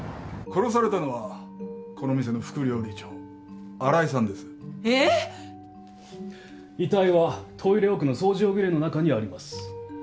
殺されたのはこの店の副料理長新井さんです。えっ！？遺体はトイレ奥の掃除用具入れの中にあります。